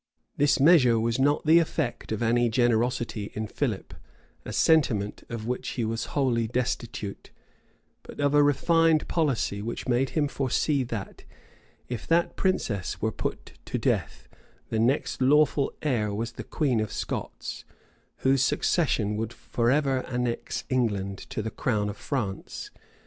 This measure was not the effect of any generosity in Philip, a sentiment of which he was wholly destitute; but of a refined policy, which made him foresee that, if that princess were put to death, the next lawful heir was the queen of Scots, whose succession would forever annex England to the crown of France.